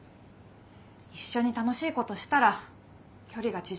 一緒に楽しいことしたら距離が縮まるかなって。